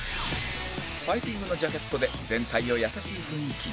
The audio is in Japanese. パイピングのジャケットで全体を優しい雰囲気に